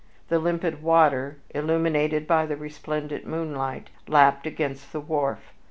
The limpid water, illuminated by the resplendent moonlight, lapped against the wharf.